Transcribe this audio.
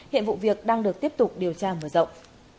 hiện vụ việc đang được tiếp tục điều tra mở rộng